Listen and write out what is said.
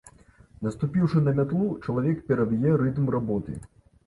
Наступіўшы на мятлу, чалавек пераб'е рытм работы.